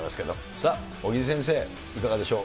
さあ、尾木先生、いかがでしょう。